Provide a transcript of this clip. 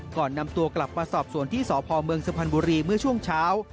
ก่อนนำตัวกลับมาสอบส่วนที่สพเมืองสุพรรณบุรีเมื่อช่วงเช้า